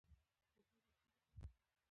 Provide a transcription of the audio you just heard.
د تګ د ستونزې لپاره باید څه وکړم؟